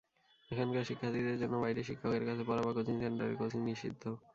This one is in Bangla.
এখানকার শিক্ষার্থীদের জন্য বাইরে শিক্ষকের কাছে পড়া বা কোচিং সেন্টারে কোচিং নিষিদ্ধ।